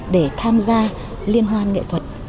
để tham gia liên hoan nghệ thuật